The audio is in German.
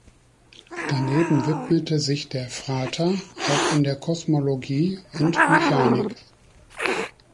Daneben widmete sich der Frater auch der Kosmologie und Mechanik.